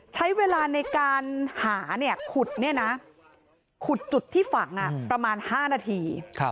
ใช้เวลาในการหาขุดขุดจุดที่ฝังประมาณ๕นาที